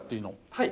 はい。